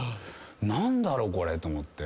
何だろう⁉これ！と思って。